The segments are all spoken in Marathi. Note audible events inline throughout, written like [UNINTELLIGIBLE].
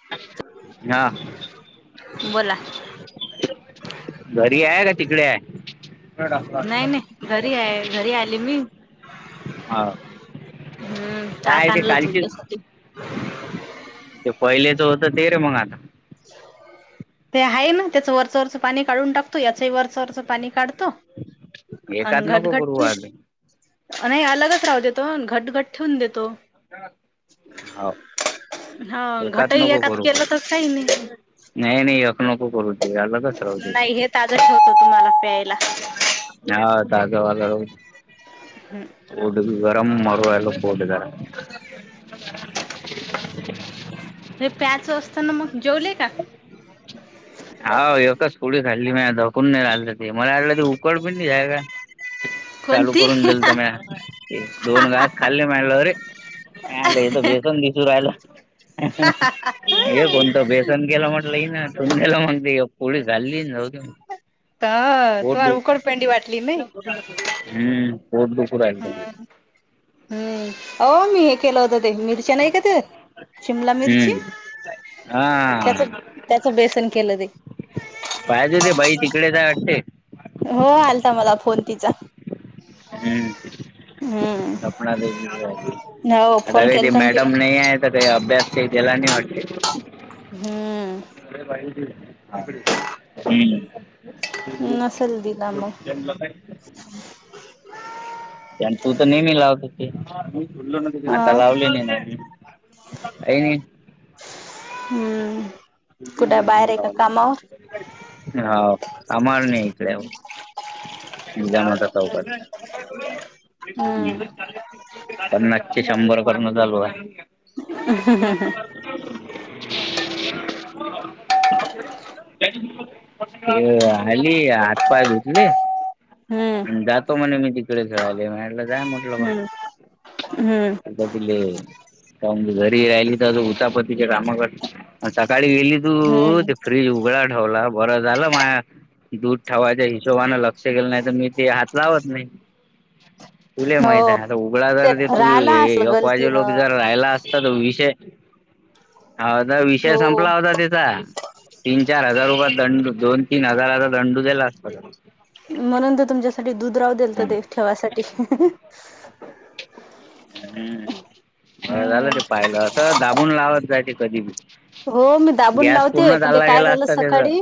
[UNINTELLIGIBLE] आह बोला घरी आहे. का तिकडे आहे. नाही नाही घरी आहे घरी आली मी [UNINTELLIGIBLE] हा [UNINTELLIGIBLE] हम् ताक आणलं तुमच्यासाठी. ते पहिलेच होत ते रे मग आता. [UNINTELLIGIBLE] [INAUDIBLE] ते आहे ना त्याचं वरचं वरचं पाणी काढून टाकतो. याचही वरच वरचं पाणी काढतो. एकात आणि घट नको घट, करू आले ठेवु अलगच राहू दे तो घट घट ठेवून देतो. [UNINTELLIGIBLE] हो. [UNINTELLIGIBLE] हा घटई नको एकात करू पण केलं तर काही नाही. नाही नाही अख नको करू ते अलगच राहू दे नाही हे [UNINTELLIGIBLE] ताज ठेवत तुम्हाला प्यायला. हा, ताज वाल पोट असं गरम मरू रायल पोट जरा [UNINTELLIGIBLE] प्यायच असत ना मग जेवले का?? हा एकच पोळी खाल्ली मी आता कोण नाय राधाती. मला वाटलं ते उकड पि आय काय चालू कोणती करून दिल तर, म्या दोन घास खाल्ले म्या म्हणलो रे, अरे हे तर बेसन दिसु राहिला हे [UNINTELLIGIBLE] कोणतं बेसन केल म्हटलं हिन ठेऊन दिल रे पण ती अ पोळी झालेलीच नव्हती. हा पोट तुम्हाला दुख उकडपेंडी वाटली [UNINTELLIGIBLE] नाही हम्म पोट दुखु राहिलं. हम्, आहो मी हे. केलं होत ते, मिरच्या नाही का ते शिमला मिरची हम्म. त्याच. हा त्याचं बेसन केलं ते. पाहिजे ते बाई तिकडे जा हट हो आलता मला फोन तिचा. हम्म! हम्म सपना बिजनेस हो फोन राहते ते केलता ना तिला मॅडम नाही आहे. सकाळी अभ्यास का केला न नाही वाते. हम्म! [UNINTELLIGIBLE] आपडे [UNINTELLIGIBLE] नसेल दिला मग [UNINTELLIGIBLE] लावताय तू तर नेहमी लावत ते ह आता लावले नाही. अईन. हम्म! कुठे बाहेर ए का कामावर? हाव आम्हाला न्यायचं. दहाहाजार चौसष्ट. हम! हम्म पन्नासचे शंभर पण चालू आहे. [INAUDIBLE] [UNINTELLIGIBLE] [INAUDIBLE] अ आली हातपाय धुतले ‌. हम्म जातो म्हणे मी तिकडे खेळाले म्हणाला जाय म्. हम्म! हम्म! घरी राहिली तर उतापतीच्या काम कर अन सकाळी गेली. तू हम्म ते फ्रीज उघड ठेवला बरं झालं माया. दूध ठेवायच्या हिशोबानें लक्ष केलं नाही तर मी ते हात लावत नाही. तुला माहित हो आहे. आता उघडा जर ते तू राहिला असल यकवाजे लोक गलतीनं जर राहिला अस विषय हाता विषय हो संपला होता त्याचा. तीन चार हजार रुपय दंडू दोन तीन हजाराचा दंडू दिला असत. म्हणून तर तुमच्यासाठी दुध राहूदलीत ते ठेवासाठी. हम्म! झालं हम्म ते पाहिलं असं दाबून लावत जाय ते कधी बी. हो मी दाबून गॅस लावते पूर्ण पण ते चालला काय गेला झालं असता त्याचा सकाळी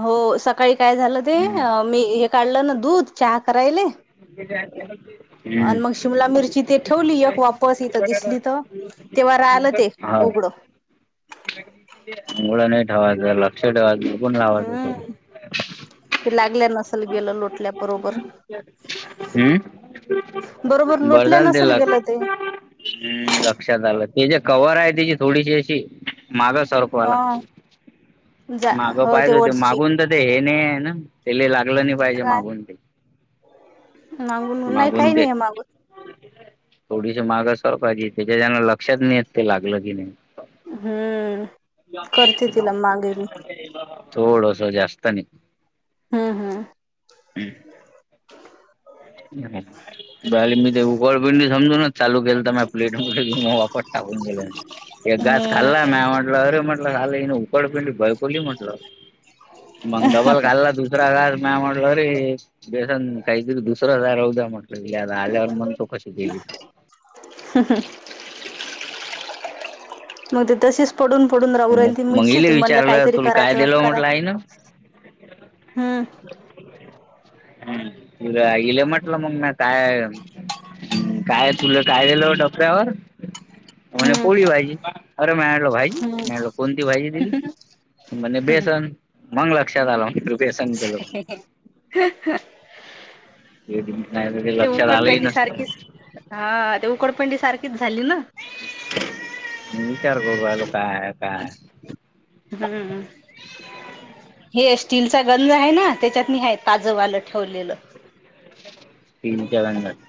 हो सकाळी काय झालं ते हम्म मी हे काढलं ना दूध चहा करायले. [UNINTELLIGIBLE] हम आणि मग शिमला मिरची ते ठेवली एक वापस इथं दिसली तर तेव्हा राहिलं ते [UNINTELLIGIBLE] हा उघडं मुळा नाही ठेवाय गेलात. ठेवलास बघून. हम्म! लागल्या नसल गेलं लोटल्या बरोबर. हम्म बरोबर बर लोटल्या झालं नसेल दिलत. गेलं ते हम्म लक्षात आलं ते ज कव्हर आहे तिची थोडीशी अशी. माग सरकवायला हा लागतंय. जा मागं हो ते पाहिज होते. वरची मागून तर ते हे नाही आहे ना! तेला लागलं नाही पाहिजे काय मागून ते. मागून नाही काही नाही आहे मागून थोडीशी मागासवर पाहिजे त्याच्याच्यान लक्षात नाहीेत ते लागलं की नाही. हम्म करते तिला मागे मी [UNINTELLIGIBLE] [INAUDIBLE] थोडस जास्तनी हम्म हम्. [UNINTELLIGIBLE] मी ते उकळपिंडी समजून चालू केल तर म प्लेट म कि मग वापर टाकून गेलं. एक गास खल्ला म हम्म म्हटलं अरे म्हटलं खाली उकडपिंडी कोणी म्हटल मग डबल घालना तु. दुस हजार म्या म्हल र बेसन काहीतरी दुसर हजा [UNINTELLIGIBLE] आल्यावर म्हणतो कशी गेली. मग ते तसेच पडून पडून राहू मग राहिल त मी मग दिशीत इले म्हणलं विचारलं काहीतरी तुला काय करायचं दिलं करा. म्हटलं आई न हम्म हम् इले म्हटलं मग ना काय? काय तुला काय दिलं डॉकऱ्यावर? हम्म हम्म [UNINTELLIGIBLE] म्हणजे बेसन मंग लक्षात आलं. म्हटलं बेसन केलं [INAUDIBLE] नाही ते लक्षात आलंही उकडपेंडी नसत. सारखीच हा ते उकडपंडी सारखीच झाली ना. मी विचार करू राहिलो काय आहे काय. हम्म हे स्टीलचा गंज आहे ना त्याच्यात आहे ताजं वालं ठेवलेलं. [INAUDIBLE]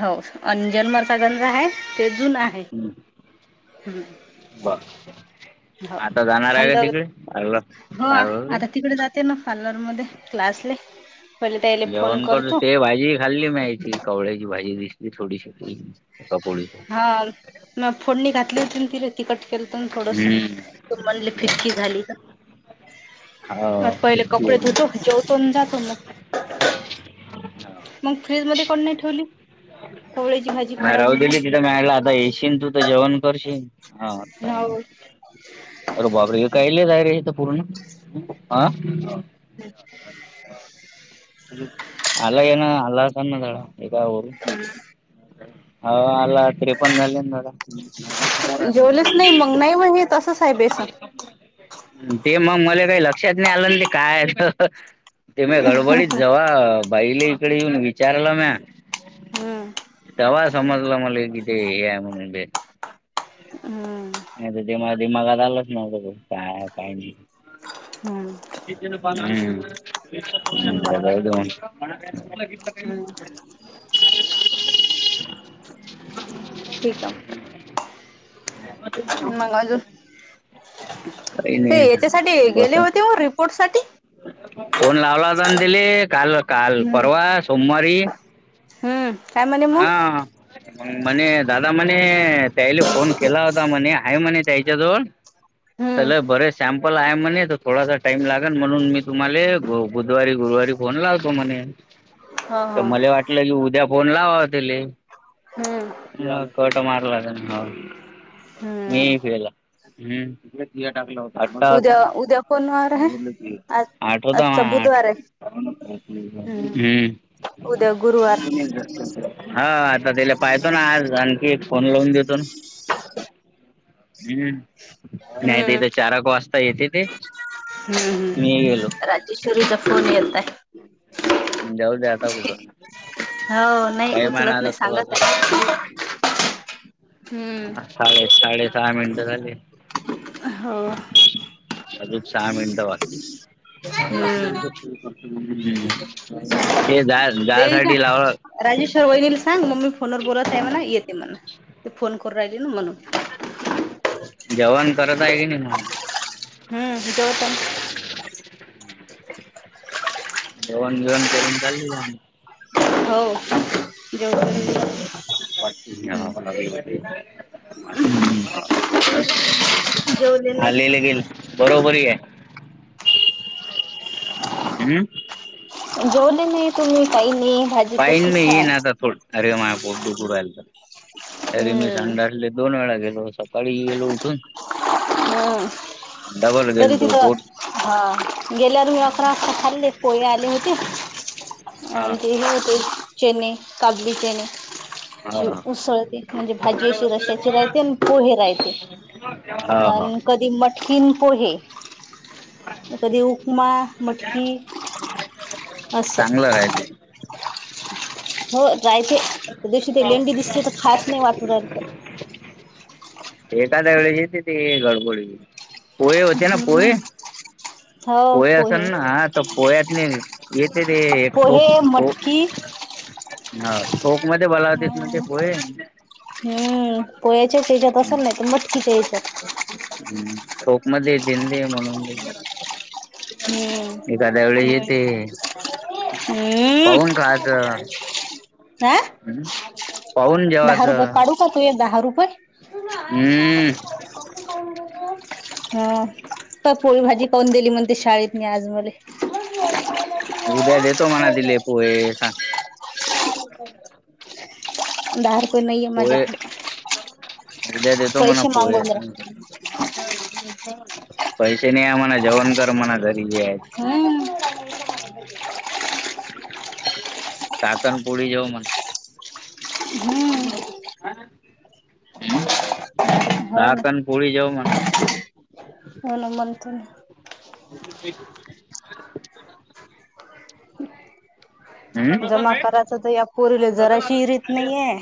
हो अंजनमरचा गंध आहे ते जुून आहे ह. ब आता जाणार आहे थंड का तिकडे [UNINTELLIGIBLE] ते ना पार्लरमध्ये क्लासले. पहिले त्याले फोन जेवण करत करतो ते भाजी खाल्ली म्यायची कवळ्याची भाजी दिसली थोडीशी. कपोडीची हा म फोडणी घातली होती ति तिकट केलं होत थोडस. मनली हो फिकी झाली का म पहिले तितकी कपडे होती धुतो जेवतो. सजा तो मग मग फ्रीज मध्ये कोण नाही ठेवली. कवळ्याची भाजी नाही खराब राहू होईल. दिली आता येशन तू तर जेवण करशील. हा चालेल होव. अरे बाबरे हे काहीले तयर आहे तर पूर्ण ह. [INAUDIBLE] [UNINTELLIGIBLE] [INAUDIBLE] मग जेवलेच नाही मग नाही मग हे तसंच आहे बेसन [UNINTELLIGIBLE] ते मग मले काही लक्षात नाही आलं ना ते काय आहेत ते म्या गडबडीत जवा बाईले इकडे येऊन विचारलं म्या हम्म तेव्हा समजलं मला हे कि ते हे आहे म्हणून ते उम्म. नाही ते दिमा दिमागात आलंच नव्हत तो काय काही नाही हम्म. हम्म बर डबल हम्म ब [INAUDIBLE] ठीक आ मग अजून [INAUDIBLE] काही ते नाही आता याच्यासाठी गेले बसून होते ओ रिपोर्टसाठी फोन लावला होता ना तिले काल अ काल हम्म परवा सोमवारी हम्म काय म्हणे मग हा मग म्हणे दादा म्हणे त्याईला फोन केला होता म्हणे आहे म्हणे त्याच्याजवळ. हम्म त्याला बरे सॅम्पल आहे म्हणे थोडासा. टाईम लागल म्हणून मी तुम्हाला बुधवारी गुरुवारी फोन लावतो म्हणे. हा तर हा मले वाटलं की उद्या फोन लावाव तिले हम्म की अ कट मारला त्यानी हो मी हम्म प्यायला हम्म [UNINTELLIGIBLE] टाकला होता अट्टा होता कोणवार हाय आज आठ होता आजचा आठ बुधवार आहे हम हम्म उद्या गुरवार हा आता त्याले पायतो ना आज आणखी एक फोन लावून देतो न हम्म नाही हम्म तिथं चारक वाजता येते ते हम्म मी गेलो हम्म राजेश्वरी फोन येताय जाऊदे आता कुठं हो नाही टाइम उचलत नाही [UNINTELLIGIBLE] सांगत थोडंसं आहे हम्म साडे साडेसहा मिनिटं झाली. हो अजूक सहा मिनिटं हम्म बाकीत ते जा देईल का जायसाठी लावलं राजेश्वर वहिनीला सांग मम्मी फोनवर बोलत आहे म्हणा येते म्हणा ते फोन करू राहिली ना म्हणून जेवण करत आहे की नाही मग हम हित होतं न [UNINTELLIGIBLE] जेवन गिवन करून चालली जाय मग हो [INAUDIBLE] हम्म. [UNINTELLIGIBLE] जेवले नाही गेले गेले बरोबर घ्या उहूं. जेवले नाही तुम्ही काही नाही भाजी पाहिन मी तशीच हाय येईन आता थोड अरे माय पोट दुखू राहिलत अरे मी हम्म संडासले दोन वेळा गेलो सप पिल्याला उठून हम्म. [UNINTELLIGIBLE] डबल तरी गेलतो तिथं पोट हा गेल्यावर मी अकरा वाजता खाल्लेत पोहे आले होते हा अन ते हे होते चेने काचबी चेने हा ही उसळते म्हणजे भाजी अशी रशाची रायते अन पोहे राय य हा हा यान कधी मटकीन पोहे ए कधी उपमा मटकी असं चांगलं राहिच. हो जायचे दिवशी ते लेंडी दिसली तर खास नाही वाटत रायच. एखाद्या वेळे येते ते गडबडी. पोहे होते ना पोहे पोहे असल ना हा तर पोह्यात नाही. येते ते एक पोहे ठोपो मटकी हा. कोक मध्ये बलावतीत ते अं पो हम्म पोयाच्याच याच्यात असेल नाही तर मटकीच्याच्यात. हम्म खोक मध्ये दिनली म्हणून. हम्म एखाद्या वेळेस हम्. येते हम्म पाहून ह. हम् पाहून जेवाचं. त दहा रुपये. हम्म ह काय पोळी भाजी काऊून दिली म्हणते शाळेत म आज मले. उद्या देतो म्हणा तिले पोहे सांग [INAUDIBLE] दहा रुपय नाहीये पोहे माझ्याकडं उद्या देतो म्हणा पैसे मागून पोहे जरा सांग पैसे नाहीये म्हणा जेवण कर म्हणा घरी जे हाय ते हम्म ताकन पोडी जाव मण.. हो हम्म म हम् हो ना साकनपोळी जाव म्हणा. मन म्हणत. ै [UNINTELLIGIBLE] जमा करायच तर या पोरीले जरा शिरीत नाहीये.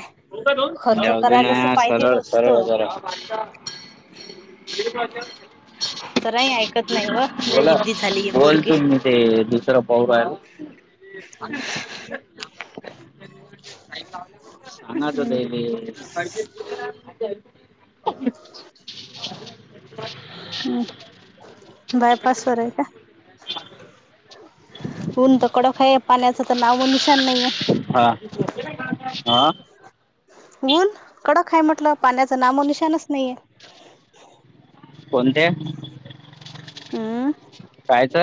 खर्च याद ना करायलाच पाहिजे सरळ नुसतं सरळजार. जराही ऐकत नाही व [UNINTELLIGIBLE] लय बोला जिद्दी झाली आहे पोरगी बोलतो मी ते दुसरं पौरा आहेला [UNINTELLIGIBLE] हम्म [UNINTELLIGIBLE] [UNINTELLIGIBLE] हम् बायपास वर आहे का? ऊन तर कडोखाय पाण्याच तर नामो निशान नाहीये. हां हा. ऊन कडक हाय म्हटलं पाण्याचं नामो निशानच नाहीये. कोणत्या हम्म कायच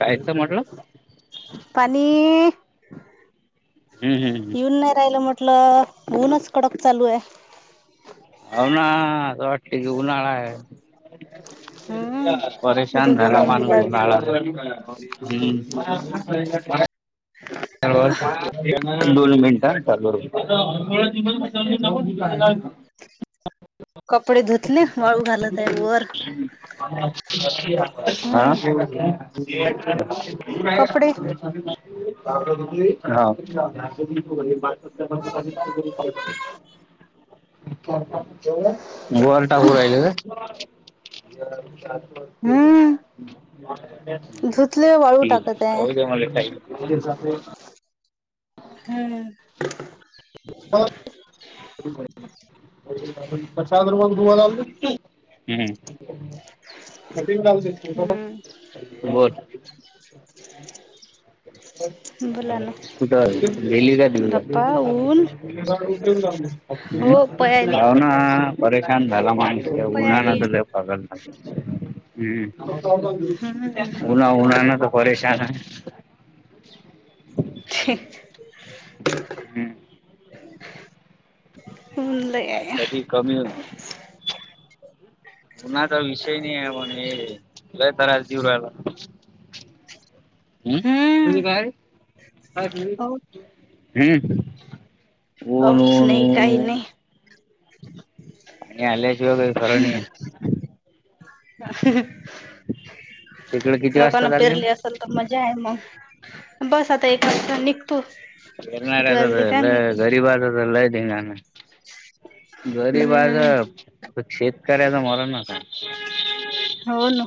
कायच म्हटलं? पानी हम्म हम्म हम्म येऊन नाही राहिलं म्हटलं ऊनच कडक चालू आहे. हो ना तो वाटे उन्हाळा आहे. हम्म परेशान किती झाला [UNINTELLIGIBLE] गरमी होऊ हम्म. लागली दोन मिनिटां चा बब हम्म [UNINTELLIGIBLE] कपडे धुतले वाळू घालत आहे वर [UNINTELLIGIBLE] हम्म हा [UNINTELLIGIBLE] कपडे [UNINTELLIGIBLE] हा [UNINTELLIGIBLE] [UNINTELLIGIBLE] [UNINTELLIGIBLE] वर टाकू राहिले ना. [UNINTELLIGIBLE] हम्म धुतले वाळू ठी टाकत आहे [UNINTELLIGIBLE] [UNINTELLIGIBLE] हम्म. [UNINTELLIGIBLE] प्रसाद रग घुवा लात [UNINTELLIGIBLE] हम्म हम्म [UNINTELLIGIBLE] बोल बोला ना [UNINTELLIGIBLE] [UNINTELLIGIBLE] गेली का देविका? बाप्पा ऊन ह् हो पयाली जाऊ ना परेशान झाला माणस उन्हान पयाली तर लय गल हम् हम्म उना उन्हान तर परेशान आहे. हम्म. [INAUDIBLE] लय आज आहे. कधी कमी हो कोणाचा विषय नाही पण हे लई त्रास देऊ राहिला. म हम्म तुझ काय कायु हो [UNINTELLIGIBLE] हम् हो न पाऊस न नाही काही न नाही [INAUDIBLE] पाणी आल्या शिवा का खर नाही तिकडं किती वाजता लोकांना चाललं? पेरली असेल मजा आहे मग बस आता एक वाजता निघतो. किती येरणारार वाजले काय आ माहिती गरीबाचा तर लय धिंगाणा आहे. गरीब हम्म आहेज शेतकऱ्याचा मरनच हाय. हो ना.